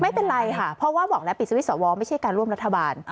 ไม่เป็นไรค่ะเพราะว่าบอกแล้วปิดสวิตชสวไม่ใช่การร่วมรัฐบาล